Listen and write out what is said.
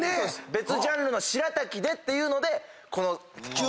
別ジャンルのしらたきでっていうのでこの。